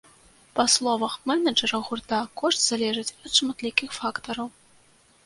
Па словах менеджара гурта, кошт залежыць ад шматлікіх фактараў.